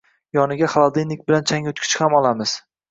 Yoniga xolodilnik bilan changyutgich ham olamiz